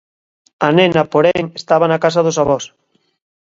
A nena, porén, estaba na casa dos avós.